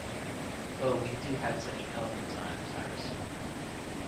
Oh, we do have such elegant times, Iris.